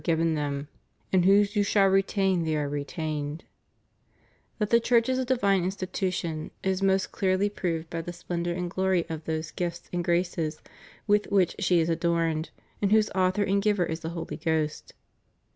given them, and whose you shall retain they are retained} That the Church is a divine institution is most clearly proved by the splendor and glory of those gifts and graces with which she is adorned, and whose author and giver is the Holy Ghost.